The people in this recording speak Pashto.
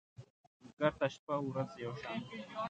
بزګر ته شپه ورځ یو شان دي